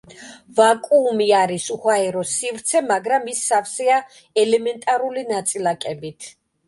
ვაკუუმი არის უჰაერო სივრცე, მაგრამ ის სავსეა ელემენტარული ნაწილაკებით.